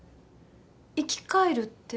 生き返るって？